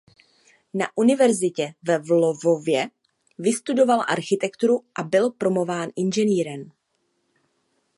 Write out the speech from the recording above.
Na univerzitě ve Lvově vystudoval architekturu a byl promován inženýrem.